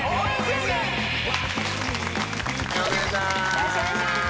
よろしくお願いします。